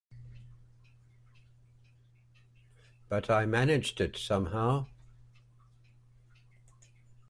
But I managed it somehow.